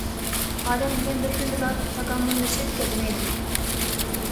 ئادەم دېگەن بىر كۈندىلا تاكامۇللىشىپ كەتمەيدۇ.